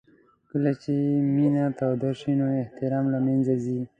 کله چې مینه توده شي نو احترام له منځه ځي.